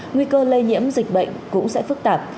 nguy cơ lây nhiễm dịch bệnh cũng sẽ phức tạp